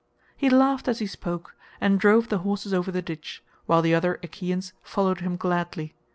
He laughed as he spoke and drove the horses over the ditch, while the other Achaeans followed him gladly.